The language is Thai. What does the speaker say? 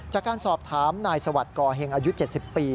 จากการสอบถามนายสวรรค์กเฮงอ๗๐ปี